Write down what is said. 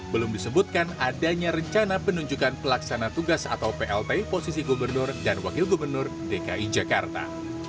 belum disebutkan adanya rencana penunjukan pelaksana tugas atau plt posisi gubernur dan wakil gubernur dki jakarta